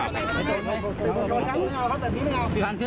ต้องเจ็บเถอะ